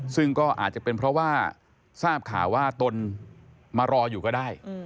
ซึ่งก็อาจจะเป็นเพราะว่าทราบข่าวว่าตนมารออยู่ก็ได้